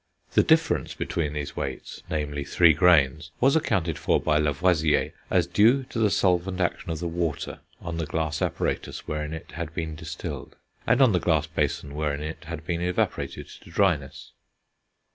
The difference between these weights, namely, 3 grains, was accounted for by Lavoisier as due to the solvent action of the water on the glass apparatus wherein it had been distilled, and on the glass basin wherein it had been evaporated to dryness.